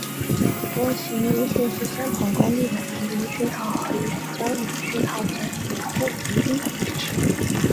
波形因数是相同功率的直流讯号和原交流讯号整流后平均值的比值。